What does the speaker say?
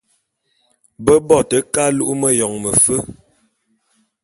Be bo te ke alu'u meyone mefe.